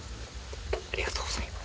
ありがとうございます。